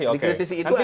dikritisi itu adalah